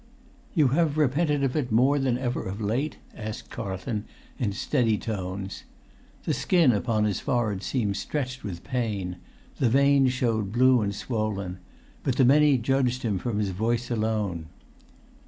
"You have repented it more than ever of late?" asked Carlton in steady tones. The skin upon his forehead seemed stretched with pain; the veins showed blue and swollen; but the many judged him from his voice alone.